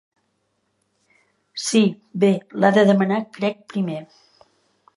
Sí, bé, l'ha de demanar crec primer.